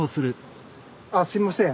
あっすいません